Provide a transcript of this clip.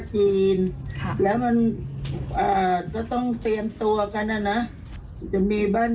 จีนค่ะแล้วมันอ่าก็ต้องเตรียมตัวกันนะนะจะมีบ้าน